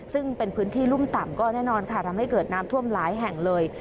ซึ่งเป็นพื้นที่รุ่มต่ำก็แน่นอนค่ะทำให้เกิดน้ำท่วมหลายแห่งเลย